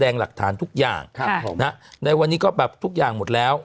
ในวันนี้ก็แบบทุกอย่างหมดแล้ว